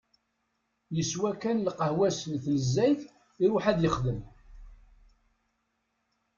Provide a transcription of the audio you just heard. Yeswa kan lqahwa-s n tnezzayt iruḥ ad yexdem.